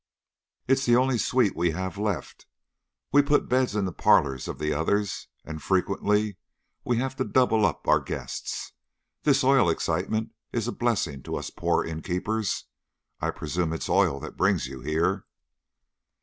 "It is the only suite we have left. We've put beds in the parlors of the others, and frequently we have to double up our guests. This oil excitement is a blessing to us poor innkeepers. I presume it's oil that brings you here?"